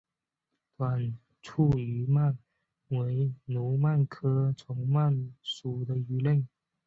短鳍虫鳗为蠕鳗科虫鳗属的鱼类。